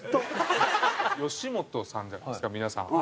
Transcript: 吉本さんじゃないですか皆さん。